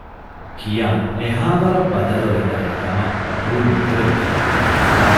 ކިޔާން އެހާވަަރަށް ބަދަލުވެދާނެ ކަމަށް ޤަބޫލުނުކުރެވިފަ